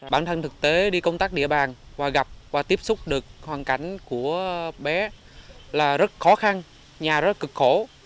bản thân thực tế đi công tác địa bàn và gặp và tiếp xúc được hoàn cảnh của bé là rất khó khăn nhà rất cực khổ